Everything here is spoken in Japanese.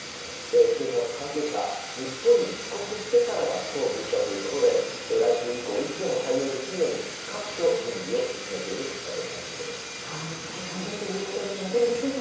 警察関係者日本に帰国してからが勝負だということで来週以降いつでも対応できるよう各所、準備を進めているということです、松尾さん。